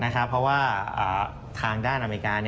เพราะว่าทางด้านอเมริกา